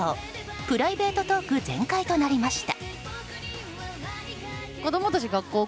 プライベートトーク全開となりました。